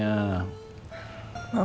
mami udah berusaha minum obatnya